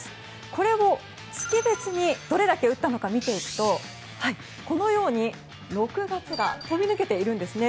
これを月別にどれだけ打ったのか見ていくとこのように６月が飛び抜けているんですね。